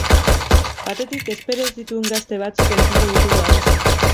Batetik, espero ez ditugun gazte batzuk entzungo ditugu abesten.